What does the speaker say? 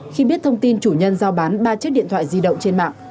khi biết thông tin chủ nhân giao bán ba chiếc điện thoại di động trên mạng